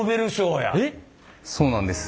そうなんです。